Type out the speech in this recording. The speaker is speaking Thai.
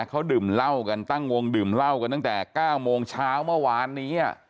เขาตั้งวงดื่มเหล้ากันตั้งแต่๙โมงเช้าเมื่อวานนี้